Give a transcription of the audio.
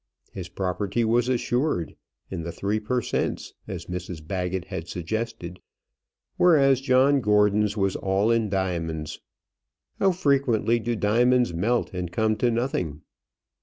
His property was assured, in the three per cents, as Mrs Baggett had suggested; whereas John Gordon's was all in diamonds. How frequently do diamonds melt and come to nothing?